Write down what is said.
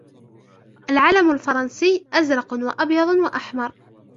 العلم الفرنسي ازرق و ابيض و احمر.